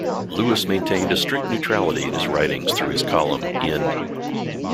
Lewis maintained a strict neutrality in his writings through his column ' in '.